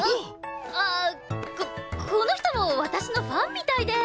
ああここの人も私のファンみたいで。